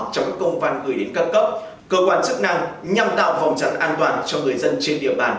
trong công văn gửi đến các cấp cơ quan chức năng nhằm tạo phòng trọ an toàn cho người dân trên địa bàn